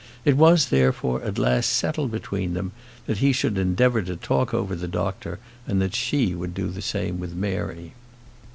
It was, therefore, at last settled between them, that he should endeavour to talk over the doctor, and that she would do the same with Mary.